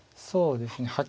そうですね。